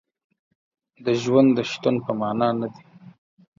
د ژوند د شتون په معنا نه دی.